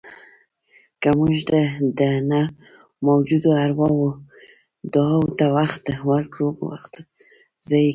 که موږ د نه موجودو ارواوو دعاوو ته وخت ورکړو، وخت ضایع کېږي.